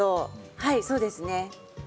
はい、そうですね。